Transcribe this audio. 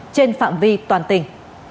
trên phạm vi toàn tỉnh